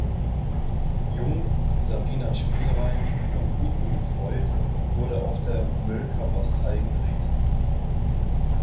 Jung, Sabina Spielrein und Sigmund Freud wurde auf der Mölker Bastei gedreht.